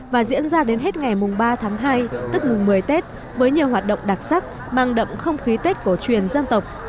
và diễn ra đến hết ngày ba tháng hai tức mùng một mươi tết với nhiều hoạt động đặc sắc mang đậm không khí tết cổ truyền dân tộc